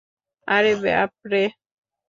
আরে, বাপরে!